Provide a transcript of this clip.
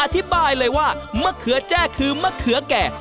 อธิบายเลยว่ามะเขือแจ้คือมะเขือแก่